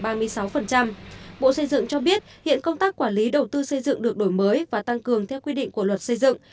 bộ xây dựng cho biết hiện công tác quản lý đầu tư xây dựng được đổi mới và tăng cường theo quy định của luật xây dựng